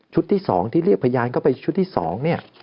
ที่๒ที่เรียกพยานเข้าไปชุดที่๒เนี่ย